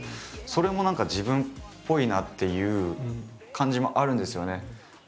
それも何か自分っぽいなっていう感じもあるんですよね。